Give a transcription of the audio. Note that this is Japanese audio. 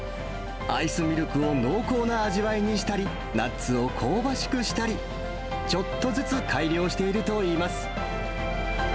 アイスミルクを濃厚な味わいにしたり、ナッツを香ばしくしたり、ちょっとずつ改良しているといいます。